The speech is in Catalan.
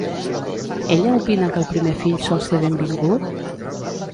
Ella opina que el primer fill sol ser benvingut?